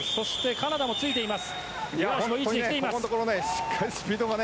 カナダもついています。